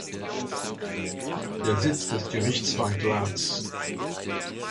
Der Sitz des Gerichts war Glatz.